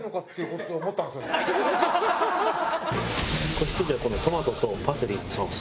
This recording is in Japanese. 仔羊はトマトとパセリのソース。